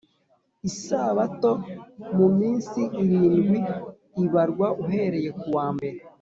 Isabato mu minsi irindwi ibarwa uhereye kuwa mbere